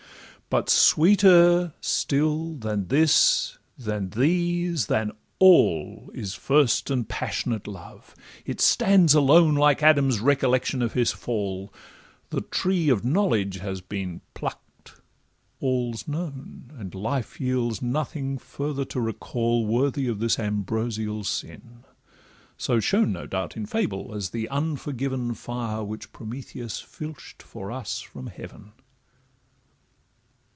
But sweeter still than this, than these, than all, Is first and passionate love—it stands alone, Like Adam's recollection of his fall; The tree of knowledge has been pluck'd—all 's known— And life yields nothing further to recall Worthy of this ambrosial sin, so shown, No doubt in fable, as the unforgiven Fire which Prometheus filch'd for us from heaven.